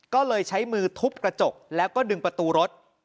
ก็เลยใช้มือทุบกระจกแล้วก็ดึงประตูรถ